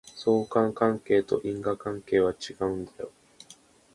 相関関係と因果関係は違うんだよ